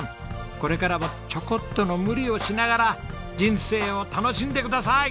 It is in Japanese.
これからもちょこっとの無理をしながら人生を楽しんでください。